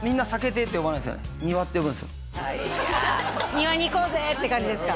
「庭」に行こうぜって感じですか